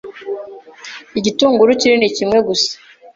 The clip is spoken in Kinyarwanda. Igitunguru kinini kimwe gusa